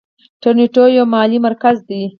تورنټو یو مالي مرکز دی.